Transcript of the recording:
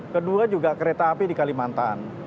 kedua juga kereta api di kalimantan